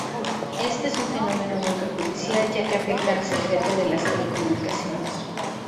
Este es un fenómeno muy perjudicial ya que afecta al secreto de las telecomunicaciones.